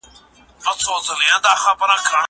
کتابتون د مور له خوا پاک ساتل کيږي!!